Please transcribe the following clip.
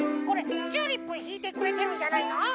これ「チューリップ」ひいてくれてるんじゃないの？